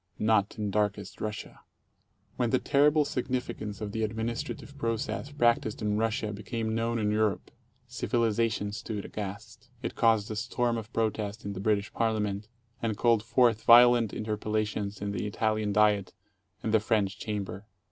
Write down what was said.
Not in Darkest Russia. When the terrible significance of the administrative process prac ticed in Russia became known in Europe, civilization stood aghast. It caused a storm of protest in the British Parliament, and called forth violent interpellations in the Italian Diet and the French Chamber.